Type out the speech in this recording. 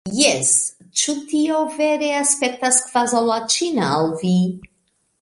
Jes, ĉu tio vere aspektas kvazaŭ la ĉina al vi?